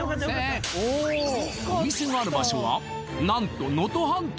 お店がある場所は何と能登半島！